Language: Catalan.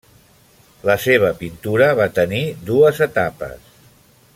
La seva pintura va tenir dues etapes.